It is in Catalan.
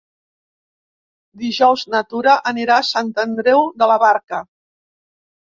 Dijous na Tura anirà a Sant Andreu de la Barca.